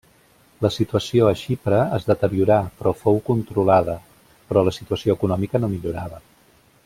La situació a Xipre es deteriorà, però fou controlada, però la situació econòmica no millorava.